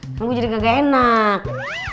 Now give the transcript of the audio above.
kamu jadi gak enak